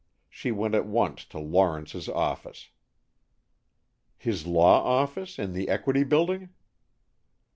She went at once to Lawrence's office, " "His law office, in the Equity Building?"